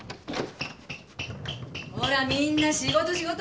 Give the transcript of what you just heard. ほらみんな仕事仕事！